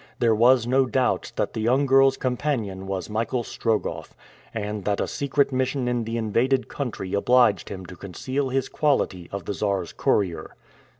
There was no doubt that the young girl's companion was Michael Strogoff, and that a secret mission in the invaded country obliged him to conceal his quality of the Czar's courier.